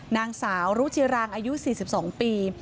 นางสาวฤาลรุชิรางย์อายุสี่สิบสองปี